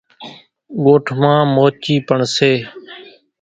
ڳوٺ مان موچِي پڻ سي۔